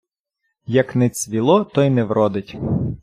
Як не цвіло, то й не вродить.